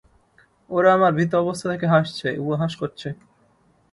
ওরা আমার ভীত অবস্থা দেখে হাসছে, উপহাস করছে।